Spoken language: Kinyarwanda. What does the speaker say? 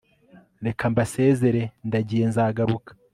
reka mbasezere ndagiye nzagaruka